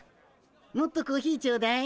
もっとコーヒーちょうだい。